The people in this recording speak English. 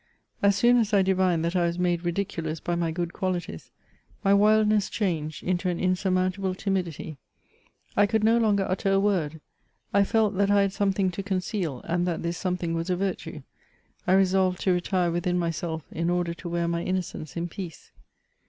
As soon as I divined that I was made ridiculous by my good qualities, my wildness changed into an insurmountable timidi^. I could no longer utter a word ; I felt that I had something to con ceal, and that this something was a virtue; I resolved to retire within myself in order to wear my innocence in peace.